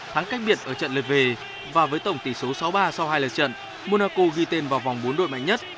thắng cách biệt ở trận lượt về và với tổng tỷ số sáu ba sau hai lời trận monaco ghi tên vào vòng bốn đội mạnh nhất